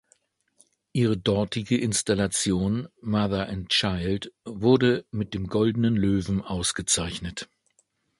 Ihre dortige Installation „Mother and Child“ wurde mit dem Goldenen Löwen ausgezeichnet.